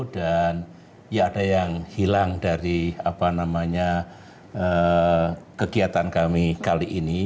dan ya ada yang hilang dari kegiatan kami kali ini